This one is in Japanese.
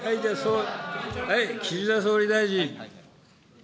岸田総理大臣。